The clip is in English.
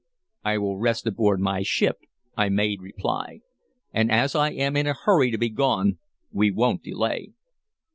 "I will rest aboard my ship," I made reply. "And as I am in a hurry to be gone we won't delay."